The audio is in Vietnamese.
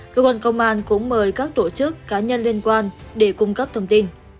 cơ quan công an cũng mời các tổ chức cá nhân liên quan để cung cấp thông tin